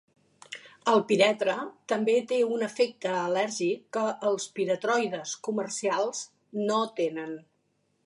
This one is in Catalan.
El piretre també té un efecte al·lèrgic que els piretroides comercials no tenen.